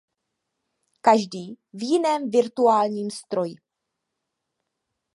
Každý v jiném virtuálním stroji.